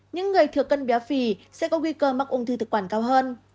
những người thừa cân béo phì sẽ có nguy cơ mắc ung thư thực quản cao hơn